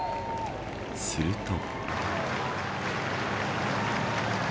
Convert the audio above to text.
すると。